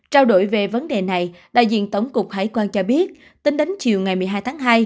trao đổi về vấn đề này đại diện tổng cục hải quan cho biết tính đến chiều ngày một mươi hai tháng hai